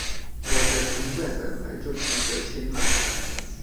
我的存在本來就值得青睞